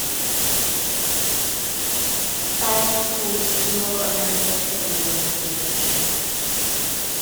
Stiles holds dual American-Canadian citizenship.